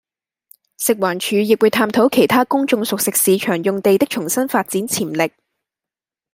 食環署亦會探討其他公眾熟食市場用地的重新發展潛力